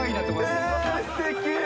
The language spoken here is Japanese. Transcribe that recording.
すてき。